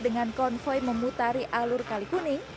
dengan konvoy memutari alur kali kuning